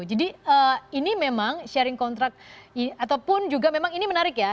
jadi ini memang sharing contract ataupun juga memang ini menarik ya